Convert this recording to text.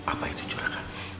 apa itu juragan